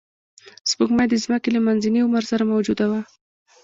سپوږمۍ د ځمکې له منځني عمر سره موجوده وه